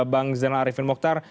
bang zainal arifin mokhtar